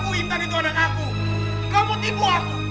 kamu keterlaluan tau gak